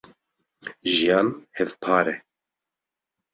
jiyan hevpar e.